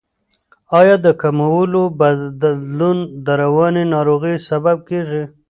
آیا د کولمو بدلون د رواني ناروغیو سبب کیږي؟